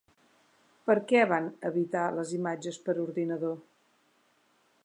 Per què van evitar les imatges per ordinador?